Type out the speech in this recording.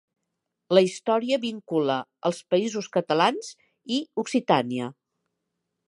La història vincula els Països Catalans i Occitània.